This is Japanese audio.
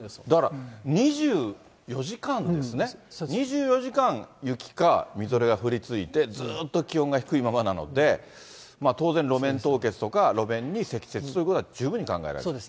だから２４時間ですね、２４時間、雪かみぞれが降り続いて、ずっと気温が低いままなので、当然、路面凍結とか路面に積雪ということは十分に考えられる。